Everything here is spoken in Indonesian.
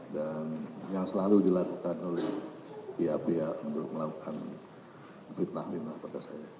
dan yang selalu dilakukan oleh pihak pihak untuk melakukan fitnah fitnah kepada saya